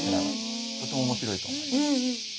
とても面白いと思います。